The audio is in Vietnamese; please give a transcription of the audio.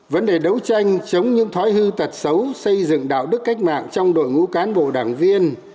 vấn đề đấu tranh chống những thói hư tật xấu xây dựng đạo đức cách mạng trong đội ngũ cán bộ đảng viên